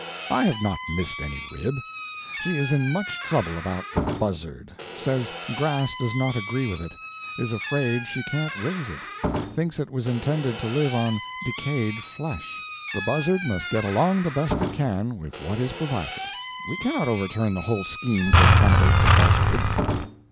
I have not missed any rib.... She is in much trouble about the buzzard; says grass does not agree with it; is afraid she can't raise it; thinks it was intended to live on decayed flesh. The buzzard must get along the best it can with what is provided. We cannot overturn the whole scheme to accommodate the buzzard.